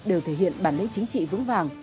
đều thể hiện bản lĩnh chính trị vững vàng